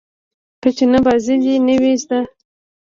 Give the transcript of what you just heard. که چنه بازي دې نه وي زده.